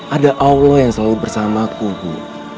ada allah yang selalu bersamaku bu